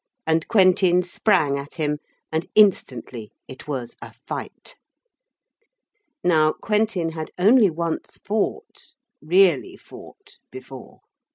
And Quentin sprang at him, and instantly it was a fight. Now Quentin had only once fought really fought before.